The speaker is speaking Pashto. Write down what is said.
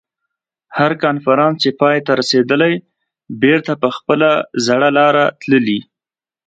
هر کنفرانس چې پای ته رسېدلی بېرته په خپله زړه لاره تللي.